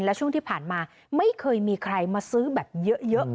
และช่วงที่ผ่านมาไม่เคยมีใครมาซื้อแบบเยอะ